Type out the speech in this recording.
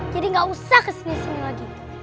jadi gak usah kesini sini lagi